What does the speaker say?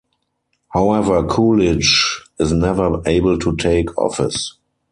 However Coolidge is never able to take office.